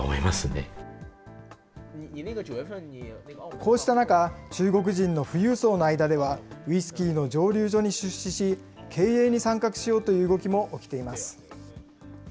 こうした中、中国人の富裕層の間では、ウイスキーの蒸留所に出資し、経営に参画しようという動きも起きています。